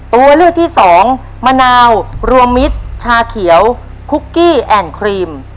ตัวเลือกที่สองมะนาวรวมมิตรชาเขียวคุกกี้แอนด์ครีม